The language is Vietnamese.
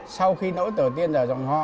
sau khi lễ tổ tiên ở dòng họ